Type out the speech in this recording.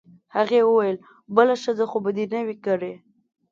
هغې وویل: بله ښځه خو به دي نه وي کړې؟